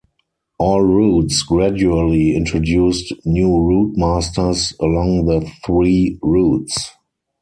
All routes gradually introduced New Routemasters along the three routes.